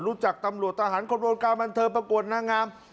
รู้จักตำรวจทหารคนวงการบันเทิงประกวดนางงาม